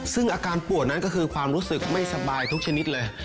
ซึ่งอาการปวดนั้นก็คือความรู้สึกไม่สบายทุกชนิดเลย